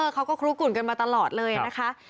เขาก็คลุกุ่นกันมาตลอดเลยนะคะ